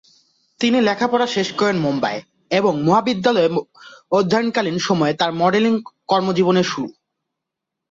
তিনি লেখাপড়া শেষ করেন মুম্বইয়ে এবং মহাবিদ্যালয়ে অধ্যয়নকালীন সময়ে তার মডেলিং কর্মজীবনের শুরু।